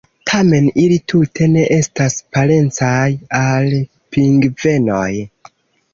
Tamen ili tute ne estas parencaj al pingvenoj.